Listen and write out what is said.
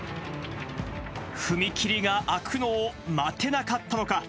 踏切が開くのを待てなかったのか。